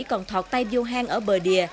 còn thoạt tay vô hang ở bờ đìa